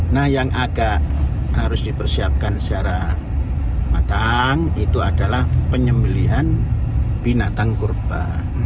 nah yang agak harus dipersiapkan secara matang itu adalah penyembelian binatang kurba